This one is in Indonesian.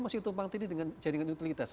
masih ditumpang tidih dengan jaringan utilitas